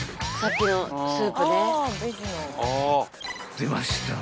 ［出ました！］